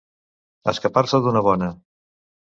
Escapar-se d'una bona.